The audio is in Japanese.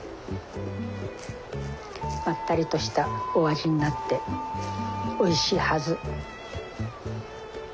まったりとしたお味になっておいしいはず。